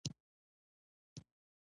د سړک سرعت محدودیت د خوندي تګ سبب دی.